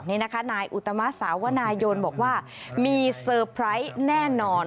นายอุตมะสาวนายนบอกว่ามีเซอร์ไพรส์แน่นอน